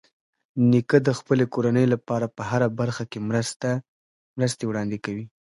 نیکه د خپلې کورنۍ لپاره په هره برخه کې مرستې وړاندې کوي.